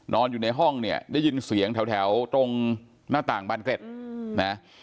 อยู่ในห้องเนี่ยได้ยินเสียงแถวตรงหน้าต่างบานเกร็ดนะ